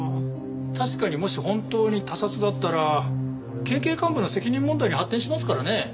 確かにもし本当に他殺だったら県警幹部の責任問題に発展しますからね。